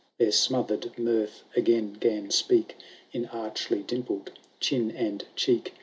Their smother'd mirth again *gan speak, In archly dimpled chin and cheek.